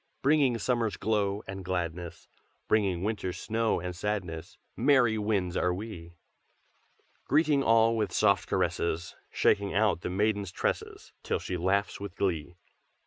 Bringing summer's glow and gladness, Bringing winter's snow and sadness, Merry winds are we! "Greeting all with soft caresses, Shaking out the maiden's tresses Till she laughs with glee.